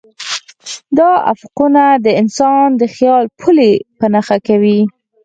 دا افقونه د انسان د خیال پولې په نښه کوي.